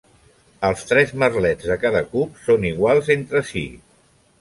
Els tres merlets de cada cub són iguals entre si.